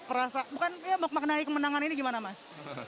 merasa bukan ya mengenai kemenangan ini gimana mas